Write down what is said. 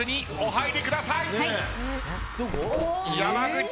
はい。